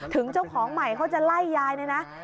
ถึงเจ้าของใหม่เขาจะไล่ยายเลยนะ